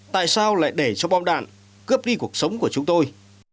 tại sao lại để cho bom đạn cướp đi cuộc sống của chúng tôi